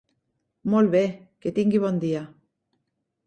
Molt bé, que tingui bon dia.